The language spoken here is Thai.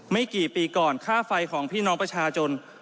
ไม่กี่ปีก่อนค่าไฟของพี่น้องประชาชน